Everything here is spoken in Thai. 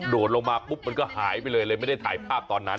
ดลงมาปุ๊บมันก็หายไปเลยเลยไม่ได้ถ่ายภาพตอนนั้น